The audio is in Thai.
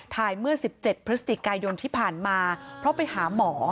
เมื่อ๑๗พฤศจิกายนที่ผ่านมาเพราะไปหาหมอ